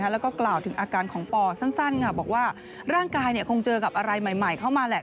แล้วก็กล่าวถึงอาการของปอสั้นบอกว่าร่างกายคงเจอกับอะไรใหม่เข้ามาแหละ